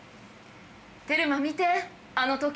「テルマ見てあの時計。